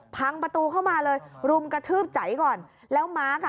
พังประตูเข้ามาเลยรุมกระทืบใจก่อนแล้วมาร์คอ่ะ